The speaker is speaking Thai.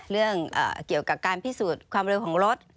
เรื่องเกี่ยวกับการพิสูจน์ความเร็วของรถ